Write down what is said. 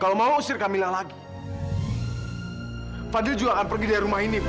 kalau mama usir kamila lagi fadl juga akan pergi dari rumah ini ma